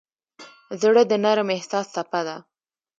زړه د نرم احساس څپه ده.